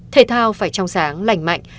thể thao phải trong sáng lành mạnh